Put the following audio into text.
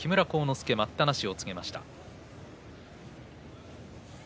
助待ったなしを告げました。